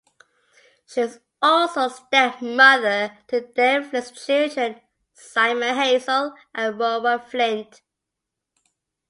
She was also stepmother to Derrick Flint's children: Simon, Hazel and Rowan Flint.